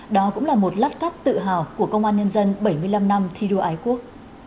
đó cũng là một lát cắt tự hào của công an nhân dân bảy mươi năm năm thi đua ái quốc